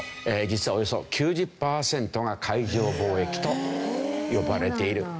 実はおよそ９０パーセントが海上貿易と呼ばれている。